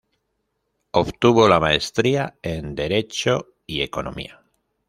Obtuvo la maestría en derecho y economía.